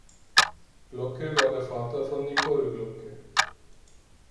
Glocke war der Vater von Nicole Glocke.